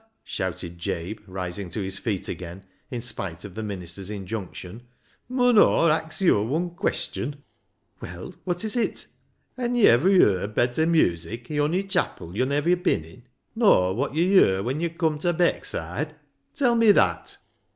shouted Jabe, rising to his feet again, in spite of the minister's injunction. " Mun Aw ax yo' wun queshten ?"" Well, what is it ?"" Han' yo' iver yerd better music i' ony chapil yo'n iver been in, nor wot yo' yer when yo' cum ta Beckside? Tell me that."